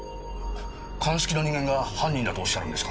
鑑識の人間が犯人だとおっしゃるんですか？